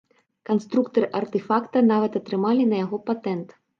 Канструктары артэфакта нават атрымалі на яго патэнт.